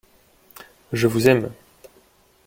Je vous aime.